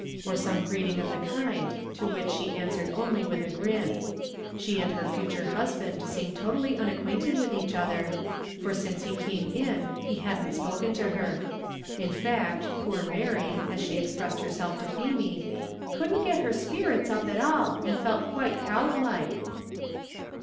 or some greeting of the kind, to which she answered only with a grin. She and her future husband seemed totally unacquainted with each other, for since he came in he hadn't spoken to her. In fact, poor Mary, as she expressed herself to Feemy, "Couldn't get her sperrits up at all, and felt quite cowed like."